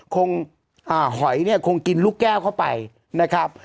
หอยเนี่ยคงกินลูกแก้วเข้าไปนะครับ